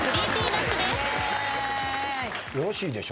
よろしいでしょうか。